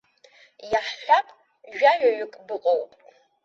Иаҳҳәап, жәаҩаҩык быҟоуп.